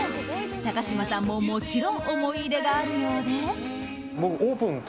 高嶋さんももちろん思い入れがあるようで。